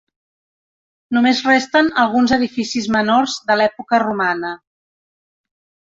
Només resten alguns edificis menors de l'època romana.